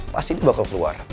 pasti dia bakal keluar